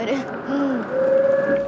うん。